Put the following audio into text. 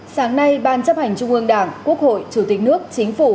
sáng nay ban chấp hành trung ương đảng quốc hội chủ tịch nước chính phủ